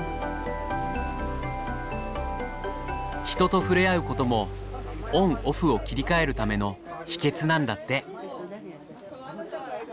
人と触れ合うこともオンオフを切り替えるための秘けつなんだって。